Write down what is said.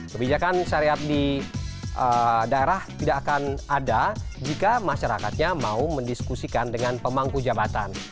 kebijakan syariat di daerah tidak akan ada jika masyarakatnya mau mendiskusikan dengan pemangku jabatan